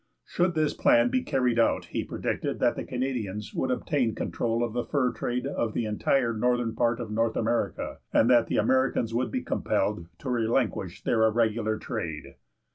Should this plan be carried out, he predicted that the Canadians would obtain control of the fur trade of the entire northern part of North America, and that the Americans would be compelled to relinquish their irregular trade.